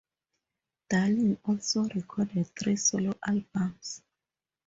Darling also recorded three solo albums.